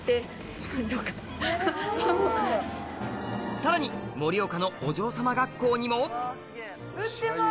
さらに盛岡のお嬢様学校にも売ってます！